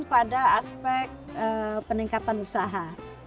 pada aspek peningkatan usaha